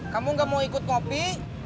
kamu gak mau ikut kopi